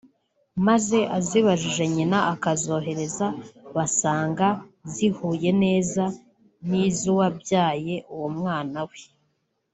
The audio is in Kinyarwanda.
maze azibajije nyina akazohereza baasanga zihuye neza n’iz’uwabyaye uwo mwana we